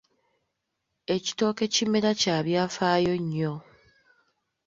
Ekitooke kimera kya byafaayo nnyo.